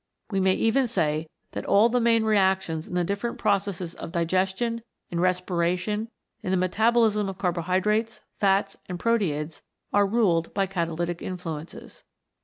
We may even say that all the main reactions in the different processes of digestion, in respiration, in the metabolism of carbo hydrates, fats and proteids are ruled by catalytic influences.